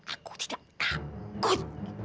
aku tidak takut